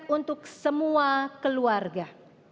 untuk semua keluarga